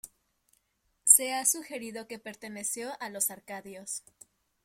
Se ha sugerido que perteneció a los arcadios.